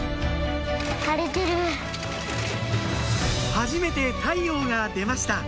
はじめて太陽が出ました